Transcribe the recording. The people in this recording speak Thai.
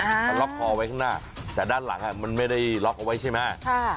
มันล็อกคอไว้ข้างหน้าแต่ด้านหลังมันไม่ได้ล็อกเอาไว้ใช่ไหม